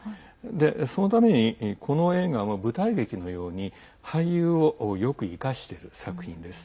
そのために、この映画も舞台劇のように俳優をよく生かしている作品です。